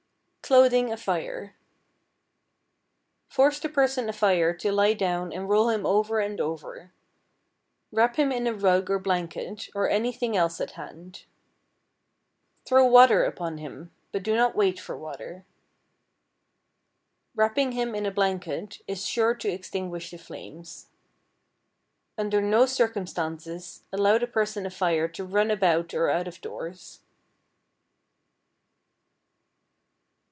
=Clothing Afire.= Force the person afire to lie down and roll him over and over. Wrap him in a rug or blanket, or anything else at hand. Throw water upon him, but do not wait for water. Wrapping him in a blanket is sure to extinguish the flames. Under no circumstances allow the person afire to run about or out of doors.